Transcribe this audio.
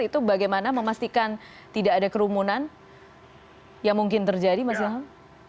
itu bagaimana memastikan tidak ada kerumunan yang mungkin terjadi mas ilham